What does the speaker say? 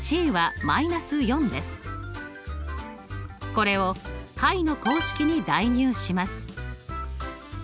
これを解の公式に代入します。